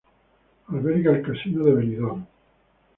Alberga el Casino de Benidorm.